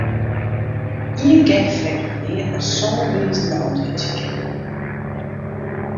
Ien gek freget mear as sân wizen beäntwurdzje kinne.